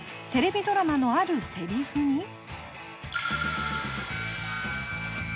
テレビドラマのあるせりふに。